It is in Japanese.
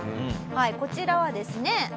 こちらはですね